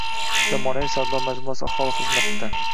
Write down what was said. Zamonaviy savdo majmuasi aholi xizmatidang